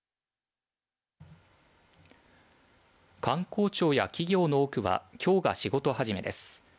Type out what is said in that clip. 官公庁や企業の多くはきょうが仕事始めです。